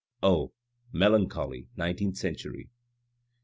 Oh ! melancholy nineteenth century